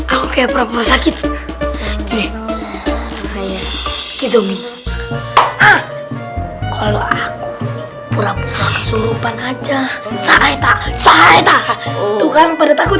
aku kayak pura pura sakit gede gede mie kalau aku pura pura kesurupan aja saeta saeta tuhan pada takut